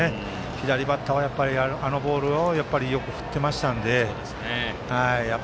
左バッターはあのボールをよく振っていたので。